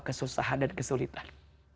kesusahan dan kesulitan